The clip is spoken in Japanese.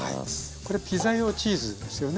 これピザ用チーズですよね。